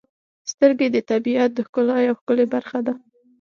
• سترګې د طبیعت د ښکلا یو ښکلی برخه ده.